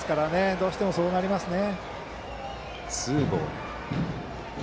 どうしてもそうなりますね。